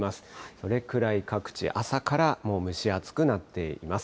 それくらい各地、朝からもう蒸し暑くなっています。